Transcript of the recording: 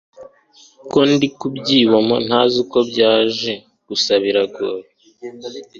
ko ndi kubyibomo ntazi uko byaje gusa biragoye